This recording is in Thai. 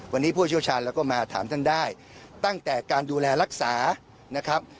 วันนี้ผู้เชี่ยวชาญเราก็มาถามท่านได้ตั้งแต่การดูแลรักษานะครับ